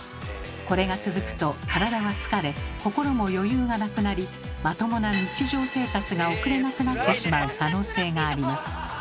これが続くと体は疲れ心も余裕がなくなりまともな日常生活が送れなくなってしまう可能性があります。